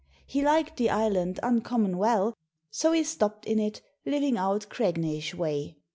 He liked the island uncommon well, so he stopped in it, living out Cregneish way.